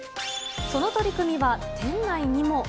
その取り組みは店内にも。